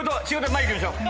前に行きましょう。